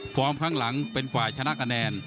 ฟอร์มข้างหลังเป็นฝ่ายชนะแกนแนน